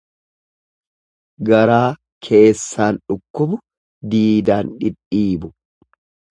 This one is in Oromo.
Garaa keessaan dhukkubu diidaan dhidhiibu.